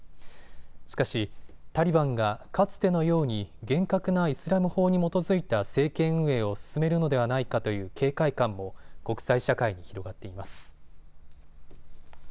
しかし、タリバンがかつてのように厳格なイスラム法に基づいた政権運営を進めるのではないかという警戒感も国際社会に広がっています。